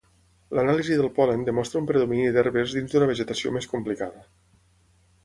L'anàlisi del pol·len demostra un predomini d'herbes dins d'una vegetació més complicada.